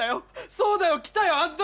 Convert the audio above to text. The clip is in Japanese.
そうだよ来たよあん時！